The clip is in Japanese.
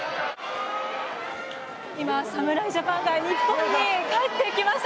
今、侍ジャパンが日本に帰ってきました。